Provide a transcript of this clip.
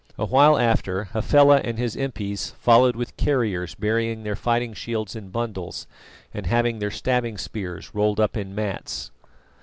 A while after, Hafela and his impis followed with carriers bearing their fighting shields in bundles, and having their stabbing spears rolled up in mats.